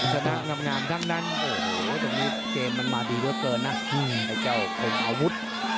ชนะงามทั้งนั้นโอ้โหตรงนี้เกมมันมาดีเหลือเกินนะไอ้เจ้าเป็นอาวุธ